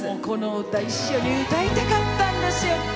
この歌一緒に歌いたかったんですよ。